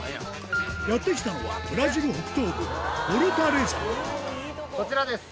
やって来たのは、ブラジル北東部、こちらです。